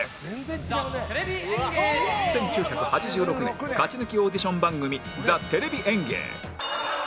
１９８６年勝ち抜きオーディション番組『ザ・テレビ演芸』